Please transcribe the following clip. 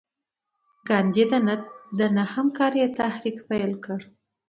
ګاندي د نه همکارۍ تحریک پیل کړ.